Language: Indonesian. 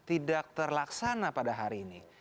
dan tidak terlaksana pada hari ini